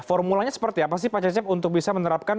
formulanya seperti apa sih pak cecep untuk bisa menerapkan